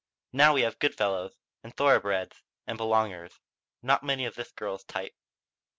Now we have good fellows, and thoroughbreds, and belongers. Not many of this girl's type."